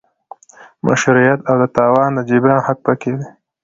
مشروعیت او د تاوان د جبران حق پکې دی.